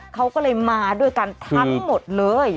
เขาก็เลยมาด้วยกันทั้งหมดเลย